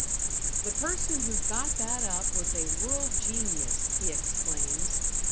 The person who got that up was a world genius, he exclaims.